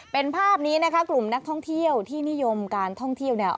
เป็นภาพนี้นะคะกลุ่มนักท่องเที่ยวที่นิยมการท่องเที่ยวเนี่ย